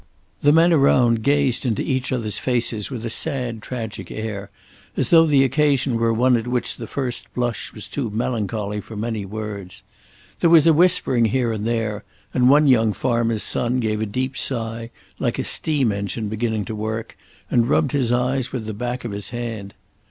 The men around gazed into each other's faces with a sad tragic air, as though the occasion were one which at the first blush was too melancholy for many words. There was whispering here and there and one young farmer's son gave a deep sigh, like a steam engine beginning to work, and rubbed his eyes with the back of his hand.